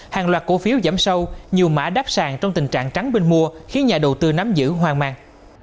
hàng loạt cổ phiếu giảm sâu nhiều mã đáp sàng trong tình trạng trắng bên mua khiến nhà đầu tư nắm giữ hoang mang